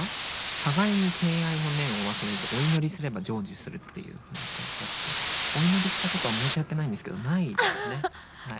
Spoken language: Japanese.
互いに敬愛の念を忘れずお祈りすれば成就するっていうふうに書いてあってお祈りしたことは申し訳ないんですけどないですね。